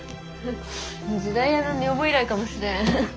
「時代屋の女房」以来かもしれん。